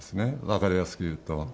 分かりやすく言うと。